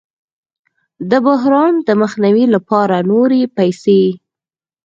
د بحران د مخنیوي لپاره نورې پیسې